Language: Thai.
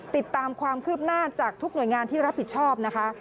ติดตามความคืบหน้าจากทุกหน่วยงานที่รับผิดชอบนะคะ